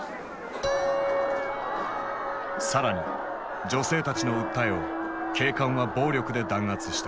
更に女性たちの訴えを警官は暴力で弾圧した。